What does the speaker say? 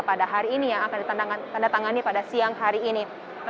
pada hari ini yang akan ditandatangani pada siang hari ini